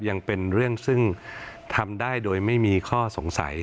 ยังเป็นเรื่องซึ่งทำได้โดยไม่มีข้อสงสัย